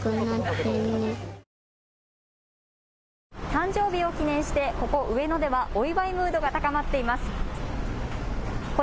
誕生日を記念して、ここ上野ではお祝いムードが高まっています。